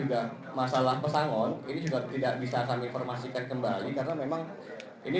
kami akan beraudiensi terlebih dahulu dengan pihak benda seperti itu